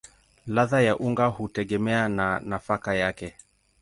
Ladha ya unga hutegemea na nafaka yake.